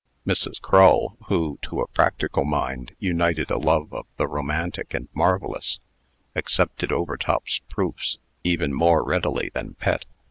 Mrs. Crull, who to a practical mind united a love of the romantic and marvellous, accepted Overtop's proofs even more readily than Pet.